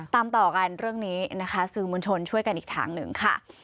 ตามต่อกันเรื่องนี้นะคะสื่อมวลชนช่วยกันอีกทางหนึ่งค่ะ